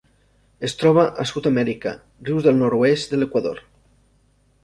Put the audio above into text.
Es troba a Sud-amèrica: rius del nord-oest de l'Equador.